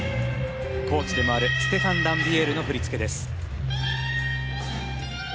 コーチでもあるステファン・ランビエールの振り付けです。